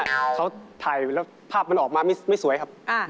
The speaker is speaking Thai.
เขาถ่ายแล้วภาพมันออกมาไม่สวยครับ